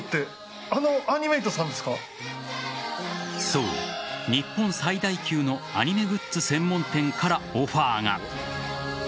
そう、日本最大級のアニメグッズ専門店からオファーが。